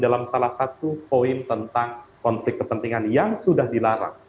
dalam salah satu poin tentang konflik kepentingan yang sudah dilarang